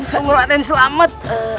semoga raden selamat